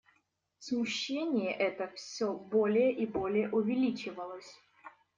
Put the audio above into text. Смущение это всё более и более увеличивалось.